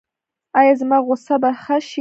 ایا زما غوسه به ښه شي؟